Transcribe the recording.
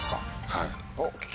はい。